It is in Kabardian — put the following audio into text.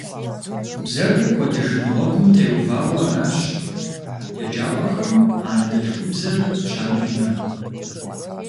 Бзэр кӀуэдыжын гъуэгум теувауэ аращ еджапӀэхэм анэдэлъхубзэр щамыджмэ.